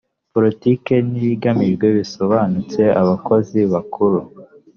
politiki n ibigamijwe bisobanutse abakozi bakuru